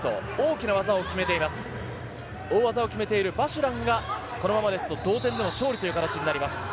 大技を決めているバジュランがこのままですと同点での勝利となります。